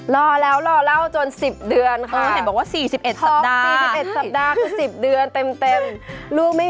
รอแล้วรอเร่าจน๑๐เดือนค่ะ